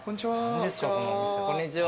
こんにちは。